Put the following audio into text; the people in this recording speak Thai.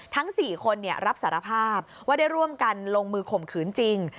ทั้ง๔คนรับสารภาพว่าได้ร่วมกันลงมือข่มขืนจริง